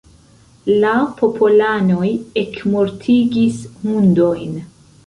La popolanoj ekmortigis hundojn.